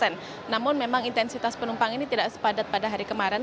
namun memang intensitas penumpang ini tidak sepadat pada hari kemarin